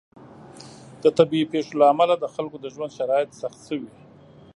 د طبیعي پیښو له امله د خلکو د ژوند شرایط سخت شوي.